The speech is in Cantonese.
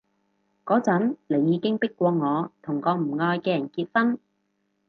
嗰陣你已經迫過我同個唔愛嘅人結婚